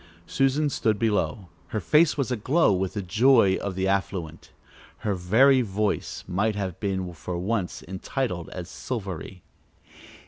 Susan stood below. Her face was aglow with the joy of the affluent her very voice might have been for once entitled as silvery.